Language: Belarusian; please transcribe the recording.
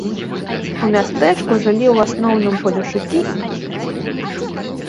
У мястэчку жылі ў асноўным палешукі і габрэі.